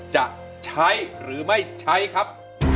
จะใช้หรือไม่ใช้ครับ